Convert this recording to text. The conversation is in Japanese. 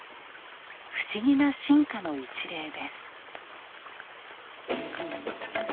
不思議な進化の一例です。